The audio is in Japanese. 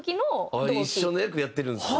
一緒の役やってるんですか。